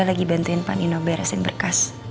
lagi bantuin panino beresin berkas